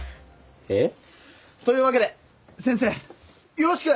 えっ？というわけで先生よろしく！